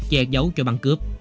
che giấu cho băng cướp